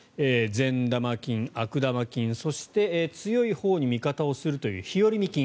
善玉菌、悪玉菌そして強いほうに味方をするという日和見菌。